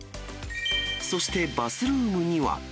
そしてバスルームには。